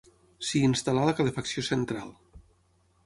S'hi instal·là la calefacció central.